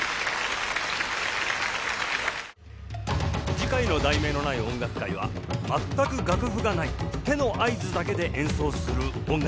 次回の『題名のない音楽会』は「まったく楽譜がない！手の合図だけで演奏する音楽会」